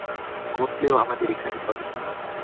ঘটলেও আমাদের এখানে ঘটে নি।